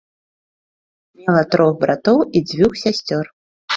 Мела трох братоў і дзвюх сясцёр.